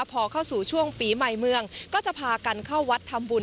พอเข้าสู่ช่วงปีใหม่เมืองก็จะพากันเข้าวัดทำบุญ